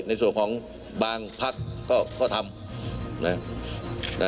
ในส่วนของบางภักดิ์เขาทำ